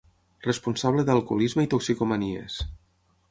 Responsable d'Alcoholisme i Toxicomanies.